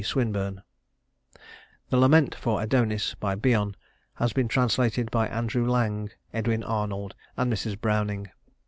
SWINBURNE The "Lament for Adonis" by Bion has been translated by Andrew Lang, Edwin Arnold, and Mrs. Browning.